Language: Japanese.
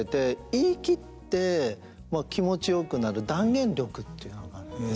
言い切って気持ちよくなる断言力っていうのですかね。